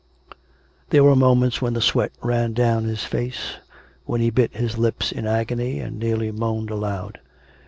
... There were moments when the sweat ran down his face, when he bit his lips in agony, and nearly moaned aloud.